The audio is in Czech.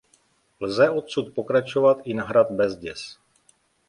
Lze odsud pokračovat i na hrad Bezděz.